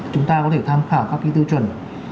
chúng ta có thể tham khảo các cái tiêu chuẩn